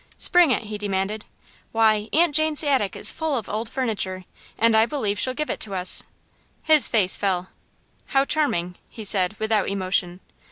"Spring it!" he demanded. "Why, Aunt Jane's attic is full of old furniture, and I believe she'll give it to us!" His face fell. "How charming," he said, without emotion.